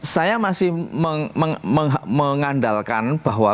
saya masih mengandalkan bahwa